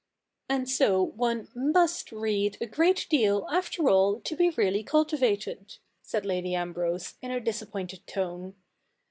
' And so one must read a great deal, after all, to be really cultivated,' said Lady Ambrose, in a disappointed tone.